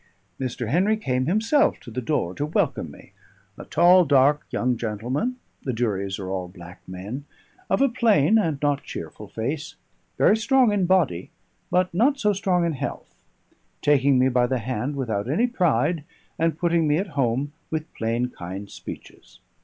Mr. Henry came himself to the door to welcome me: a tall dark young gentleman (the Duries are all black men) of a plain and not cheerful face, very strong in body, but not so strong in health; taking me by the hand without any pride, and putting me at home with plain kind speeches.